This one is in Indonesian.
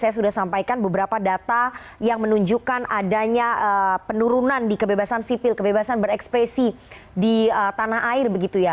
saya sudah sampaikan beberapa data yang menunjukkan adanya penurunan di kebebasan sipil kebebasan berekspresi di tanah air begitu ya